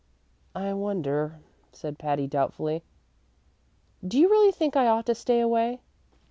"I wonder?" said Patty, doubtfully. "Do you really think I ought to stay away?